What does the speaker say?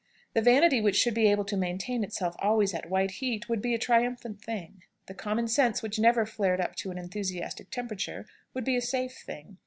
The vanity which should be able to maintain itself always at white heat would be a triumphant thing. The common sense which never flared up to an enthusiastic temperature would be a safe thing.